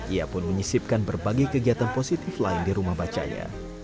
ia pun menyisipkan berbagai kegiatan positif lain di rumah bacanya